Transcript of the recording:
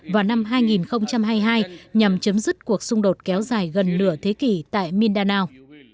vào năm hai nghìn hai mươi hai nhằm chấm dứt cuộc xung đột kéo dài gần nửa thế kỷ tại mindanao